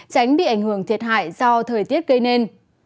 tránh bị ảnh hưởng thiệt hại do thời tiết gây nên